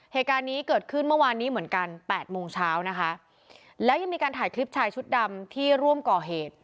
เหตุการณ์นี้เกิดขึ้นเมื่อวานนี้เหมือนกันแปดโมงเช้านะคะแล้วยังมีการถ่ายคลิปชายชุดดำที่ร่วมก่อเหตุ